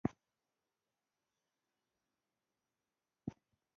وروسته یې ورته مشابه بنسټونو ته لار پرانیسته.